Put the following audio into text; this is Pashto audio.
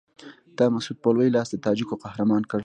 تا مسعود په لوی لاس د تاجکو قهرمان کړ.